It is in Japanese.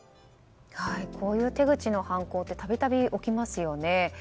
こういう手口の犯行って度々起きますよね。